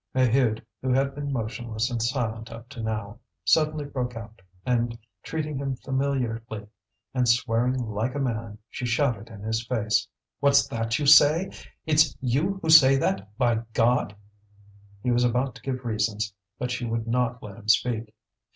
Maheude, who had been motionless and silent up to now, suddenly broke out, and treating him familiarly and swearing like a man, she shouted in his face: "What's that you say? It's you who say that, by God!" He was about to give reasons, but she would not let him speak.